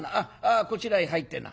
あこちらへ入ってな。